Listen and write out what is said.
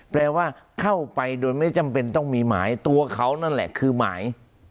แปลว่าเข้าไปโดยไม่จำเป็นต้องมีหมายตัวเขานั่นแหละคือหมาย